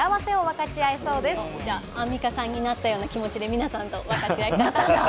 アンミカさんになったような気持ちで皆さんと分かち合いたいと思います。